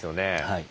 はい。